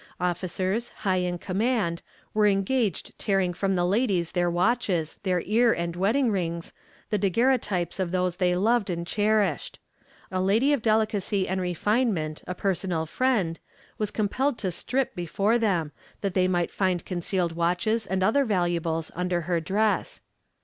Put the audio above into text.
Officers, high in command, were engaged tearing from the ladies their watches, their ear and wedding rings, the daguerreotypes of those they loved and cherished. A lady of delicacy and refinement, a personal friend, was compelled to strip before them, that they might find concealed watches and other valuables under her dress.